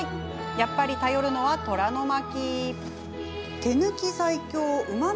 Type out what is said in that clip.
やっぱり頼るは虎の巻。